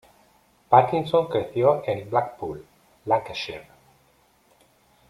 Parkinson creció en Blackpool, Lancashire.